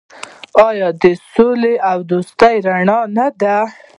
آیا د سولې او دوستۍ رڼا نه ده؟